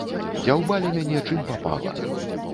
Дзяўбалі мяне чым папала.